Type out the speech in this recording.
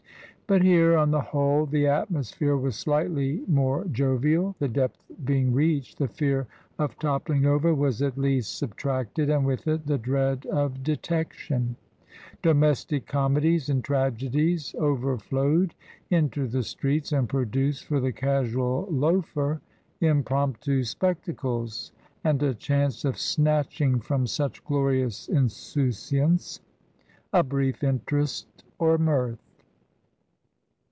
But here, on the whole, the atmosphere was slightly more jovial; the depth being reached, the fear of toppling over was at least sub tracted, and with it the dread of detection ; domestic comedies and tragedies overflowed into the streets and produced for the casual loafer impromptu spectacles and a chance of snatching from such glorious insouciance a brief interest or mirth.